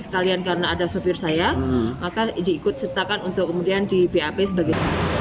sekalian karena ada sopir saya maka diikut sertakan untuk kemudian di bap sebagai